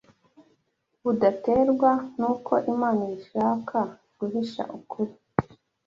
budaterwa n’uko Imana ishaka guhisha ukuri